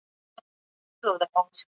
د کندهار په دښتو کي کوم بوټي شنه کېږي؟